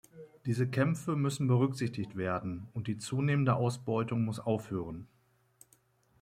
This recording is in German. Diese Kämpfe müssen berücksichtigt werden und die zunehmende Ausbeutung muss aufhören.